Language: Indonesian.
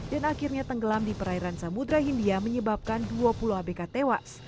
dan akhirnya tenggelam di perairan samudera hindia menyebabkan dua puluh abk tewas